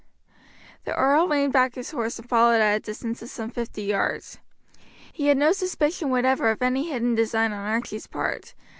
The earl reined back his horse and followed at a distance of some fifty yards. He had no suspicion whatever of any hidden design on Archie's part.